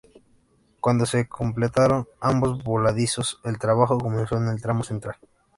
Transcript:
Cuando se completaron ambos voladizos, el trabajo comenzó en el tramo central.